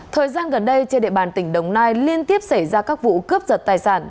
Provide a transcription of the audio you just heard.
thời gian gần đây trên địa bàn tỉnh đồng nai liên tiếp xảy ra các vụ cướp giật tài sản